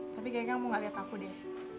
tapi kayaknya mau gak lihat aku deh